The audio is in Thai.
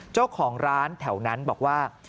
เจ้าของร้านแถวนั้นบอกว่า